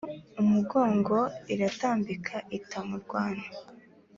umugongo iratambika ita mu rwano.